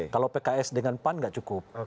kalau pks dengan pan nggak cukup